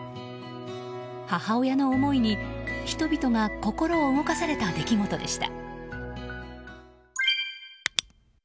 母親の思いに人々が心を動かされた出来事でした。